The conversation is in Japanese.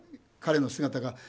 彼の姿が。